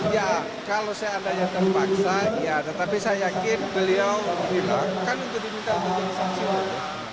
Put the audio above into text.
ya kalau saya adanya terpaksa ya tetapi saya yakin beliau tidak akan menjadi pinta untuk disaksikan